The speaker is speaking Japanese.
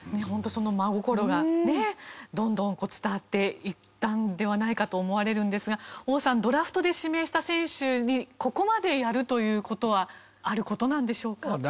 本当その真心がねどんどん伝わっていったのではないかと思われるんですが王さんドラフトで指名した選手にここまでやるという事はある事なんでしょうか？